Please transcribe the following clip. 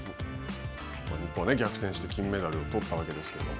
日本は逆転して金メダルを取ったわけですけれども。